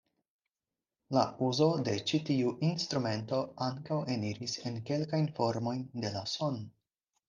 La uzo de ĉi tiu instrumento ankaŭ eniris en kelkajn formojn de la "son".